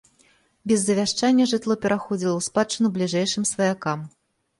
Без завяшчання жытло пераходзіла ў спадчыну бліжэйшым сваякам.